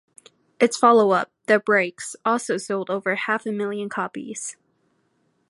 Its follow-up, "The Breaks", also sold over half a million copies.